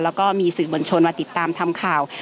แล้วก็มีสื่อบนชนมาติดตามทำข่าว